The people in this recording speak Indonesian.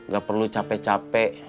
gak perlu capek capek